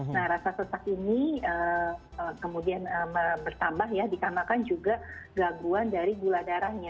nah rasa sesak ini kemudian bertambah ya dikamakan juga gangguan dari gula darahnya